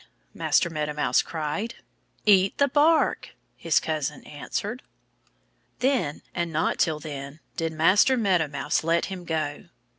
Master Meadow Mouse cried. "Eat the bark!" his cousin answered. Then and not till then did Master Meadow Mouse let him go.